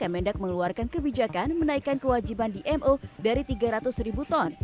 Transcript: kemendak mengeluarkan kebijakan menaikkan kewajiban dmo dari tiga ratus ribu ton